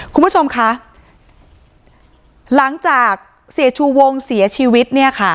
คุณผู้ชมคะหลังจากเสียชูวงเสียชีวิตเนี่ยค่ะ